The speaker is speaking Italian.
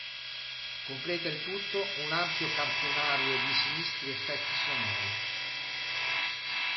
Completa il tutto un ampio campionario di sinistri effetti sonori.